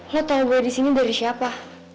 lo tahu gue di sini dari siapa